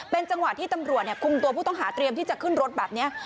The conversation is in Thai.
เป็นจังหวะที่ตำรวจคุมตัวผู้ต้องหาเตรียมที่จะขึ้นรถแบบนี้